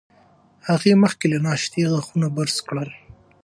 هغه مخکې له ناشتې غاښونه برس کړل.